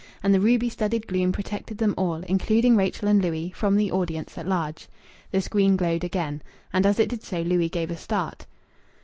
And the ruby studded gloom protected them all, including Rachel and Louis, from the audience at large. The screen glowed again. And as it did so Louis gave a start.